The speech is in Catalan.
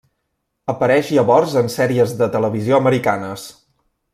Apareix llavors en sèries de televisió americanes.